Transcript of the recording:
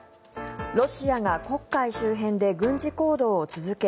ロシアが黒海周辺で軍事行動を続け